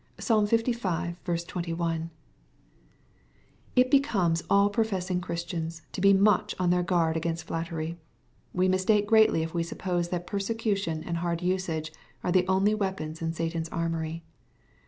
(I'salm Iv. 21.) It becomes all professing Christians to be much on their guard against flattery. We mistake greatly if we suppose that persecution and hard usage are the only weapons in Satan's armory.